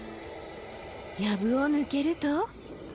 やぶを抜けると。